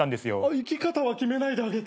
生き方は決めないであげて。